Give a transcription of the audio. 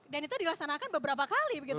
dan itu dilaksanakan beberapa kali begitu ya